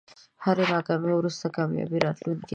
له هری ناکامۍ وروسته کامیابي راتلونکی ده.